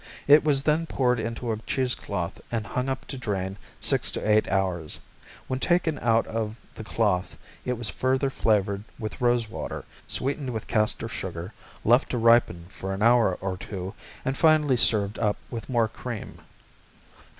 It was then poured into a cheesecloth and hung up to drain six to eight hours. When taken out of the cloth it was further flavored with rose water, sweetened with castor sugar, left to ripen for an hour or two and finally served up with more cream.